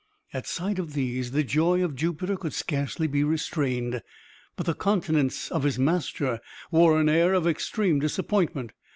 At sight of these the joy of Jupiter could scarcely be restrained, but the countenance of his master wore an air of extreme disappointment.